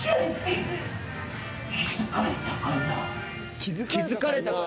「気付かれたかな」